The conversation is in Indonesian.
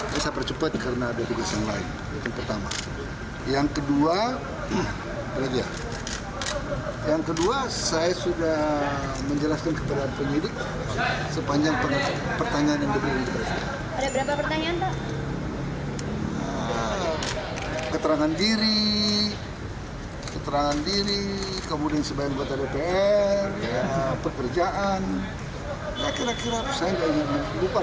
keterangan diri keterangan diri kemudian sebagian kota dpr pekerjaan ya kira kira saya gak banyak lah